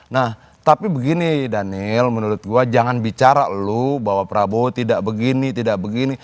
nah tapi begini daniel menurut gue jangan bicara lu bahwa prabowo tidak begini tidak begini